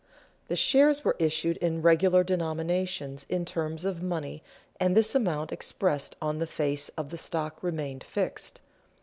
The shares were issued in regular denominations in terms of money, and this amount expressed on the face of the stock remained fixed.